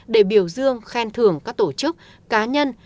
để biểu dương khen thưởng các tổ chức cá nhân